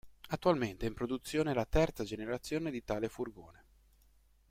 Attualmente è in produzione la terza generazione di tale furgone.